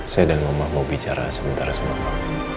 saya dan mama mau bicara sebentar sama kamu